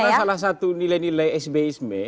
karena salah satu nilai nilai esbeisme